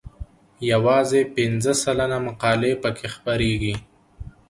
یوازې پنځه سلنه مقالې پکې خپریږي.